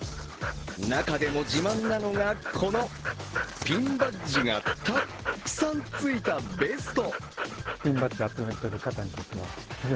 中でも自慢なのが、このピンバッジがたっくさんついたベスト。